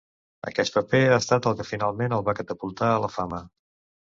Aquest paper ha estat el que finalment el va catapultar a la fama.